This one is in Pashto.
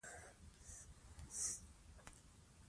راځئ چې خپله ژبه نوره هم پیاوړې کړو.